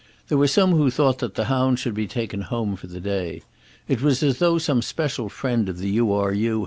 There were some who thought that the hounds should be taken home for the day. It was as though some special friend of the U. R. U.